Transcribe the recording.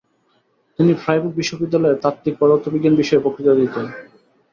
তিনি ফ্রাইবুর্গ বিশ্ববিদ্যালয়ে তাত্ত্বিক পদার্থবিজ্ঞান বিষয়ে বক্তৃতা দিতেন।